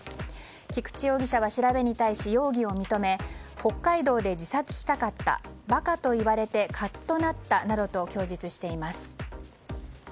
菊池容疑者は調べに対し容疑を認め北海道で自殺したかった馬鹿と言われてカッとなったなどと供述しています。